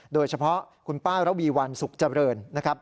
โดยเฉพาะคุณป้าระวีวันสุขเจริญนะครับ